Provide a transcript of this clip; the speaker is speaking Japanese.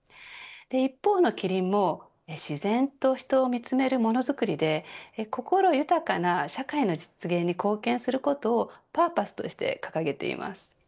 一方のキリンも自然と人を見つめるものづくりで心豊かな社会の実現に貢献することをパーパスとして掲げています。